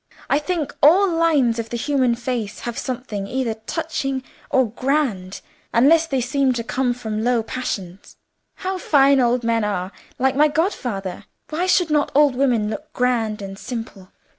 I think all lines of the human face have something either touching or grand, unless they seem to come from low passions. How fine old men are, like my godfather! Why should not old women look grand and simple?"